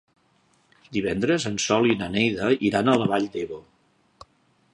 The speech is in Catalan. Divendres en Sol i na Neida iran a la Vall d'Ebo.